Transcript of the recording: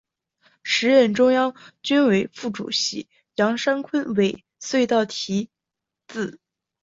时任中央军委副主席杨尚昆为隧道题字。